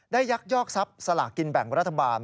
ยักยอกทรัพย์สลากกินแบ่งรัฐบาล